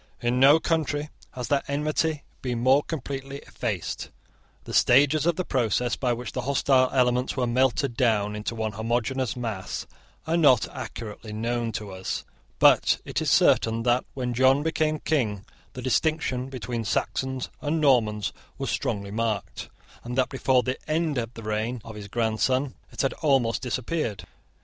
In no country has that enmity been more completely effaced. The stages of the process by which the hostile elements were melted down into one homogeneous mass are not accurately known to us. But it is certain that, when John became King, the distinction between Saxons and Normans was strongly marked, and that before the end of the reign of his grandson it had almost disappeared.